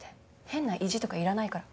変な意地とかいらないから。